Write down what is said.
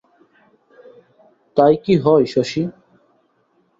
তাই কী হয় শশী?